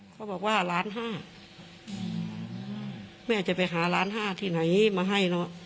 เขาบอกว่าล้านห้าแม่จะไปหาล้านห้าที่ไหนมาให้เนอะ